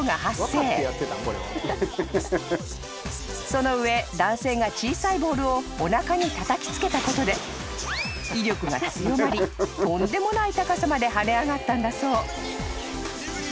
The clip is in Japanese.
［その上男性が小さいボールをおなかにたたきつけたことで威力が強まりとんでもない高さまで跳ね上がったんだそう］